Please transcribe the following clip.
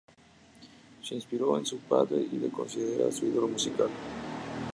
Se inspiró en su padre y le considera su "ídolo musical".